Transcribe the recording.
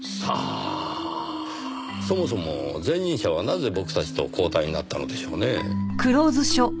そもそも前任者はなぜ僕たちと交代になったのでしょうねぇ？